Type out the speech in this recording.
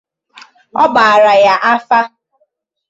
a gbara ya afa.